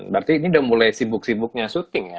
berarti ini udah mulai sibuk sibuknya syuting ya